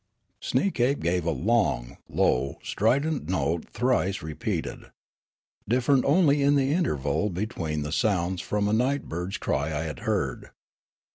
Sneekape gave a long, low, strident note thrice re peated, different only in the interval between the sounds from a night bird's cry I had heard.